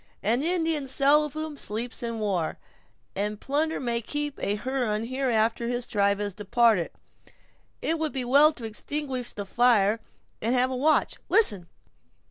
An Indian seldom sleeps in war, and plunder may keep a Huron here after his tribe has departed. It would be well to extinguish the fire, and have a watch—listen!